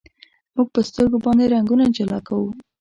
موږ په سترګو باندې رنګونه جلا کوو.